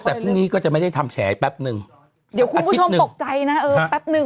แต่พรุ่งนี้ก็จะไม่ได้ทำแฉแป๊บนึงเดี๋ยวคุณผู้ชมตกใจนะเออแป๊บนึง